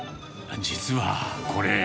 実は、これ。